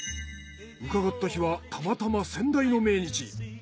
伺った日はたまたま先代の命日。